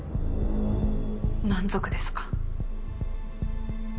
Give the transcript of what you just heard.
満足ですか？